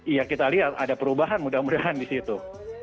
iya kita lihat ada perubahan mudah mudahan di situ